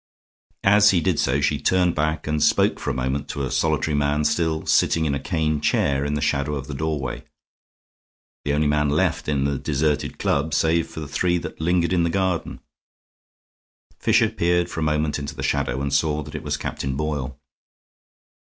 As he did so she turned back and spoke for a moment to a solitary man still sitting in a cane chair in the shadow of the doorway, the only man left in the deserted club save for the three that lingered in the garden. Fisher peered for a moment into the shadow, and saw that it was Captain Boyle.